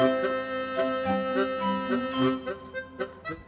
assalamualaikum warahmatullahi wabarakatuh